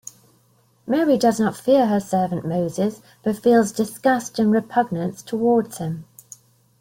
Mary does not fear her servant Moses but feels disgust and repugnance towards him.